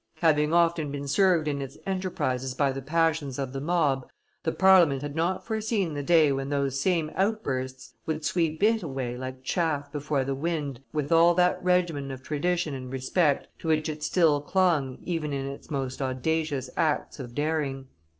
Having often been served in its enterprises by the passions of the mob, the Parliament had not foreseen the day when those same outbursts would sweep it away like chaff before the wind with all that regimen of tradition and respect to which it still clung even in its most audacious acts of daring.